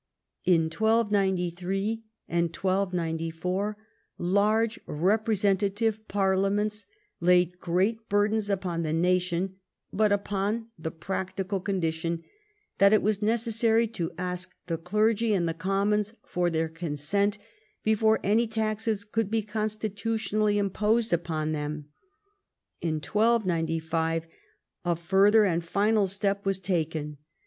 In 1293 and 1294 large representative parliaments laid great burdens upon the nation, but upon the practical condition that it was necessary to ask the clergy and the commons for their consent before any taxes could be constitutionally imposed upon them. In 1295 a further and final step was taken.